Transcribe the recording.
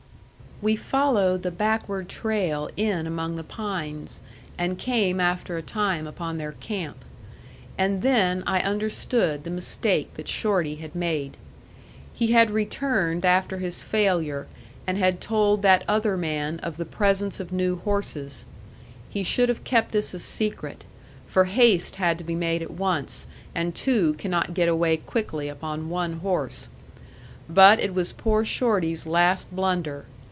We followed the backward trail in among the pines, and came after a time upon their camp. And then I understood the mistake that Shorty had made. He had returned after his failure, and had told that other man of the presence of new horses. He should have kept this a secret; for haste had to be made at once, and two cannot get away quickly upon one horse. But it was poor Shorty's last blunder.